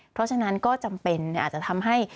เพราะฉะนั้นก็จำเป็นอาจจะทำให้